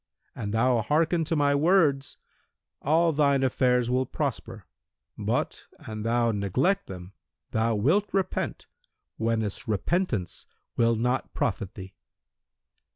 An thou hearken to my words, all thine affairs will prosper; but, an thou neglect them thou wilt repent, whenas repentance will not profit thee."